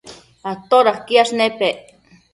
todaquiash nepec?